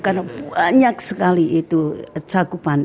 karena banyak sekali itu cakupan